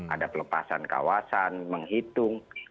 ada pelepasan kawasan menghitung